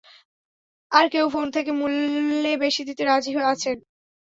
আর কেউ ফোন থেকে মুল্যে বেশি দিতে রাজি আছেন?